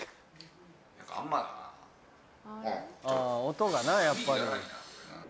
音がなやっぱり。